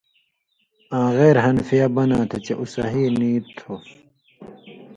آں غیر حنفیہ بناں تھہ چے اُو صحیح نی تھو۔